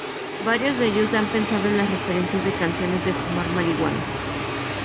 Varios de ellos han pensado en las referencias de canciones de fumar marihuana.